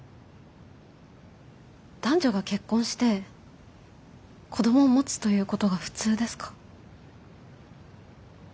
男女が結婚して子どもを持つということが普通ですか？